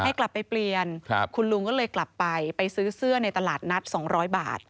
ให้กลับไปเปลี่ยนคุณลุงก็เลยกลับไปไปซื้อเสื้อในตลาดนัด๒๐๐บาท